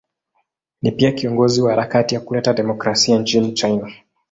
Ni pia kiongozi wa harakati ya kuleta demokrasia nchini China.